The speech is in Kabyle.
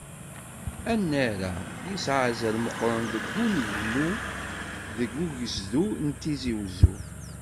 Annar-a, yesɛan azal meqqren deg unegmu deg ugezdu n Tizi Uzzu.